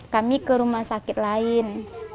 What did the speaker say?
kami ke rumah sakit lain